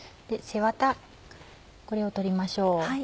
背ワタこれを取りましょう。